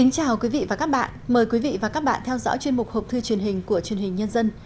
chào mừng quý vị đến với bộ phim học thư truyền hình của chuyên hình nhân dân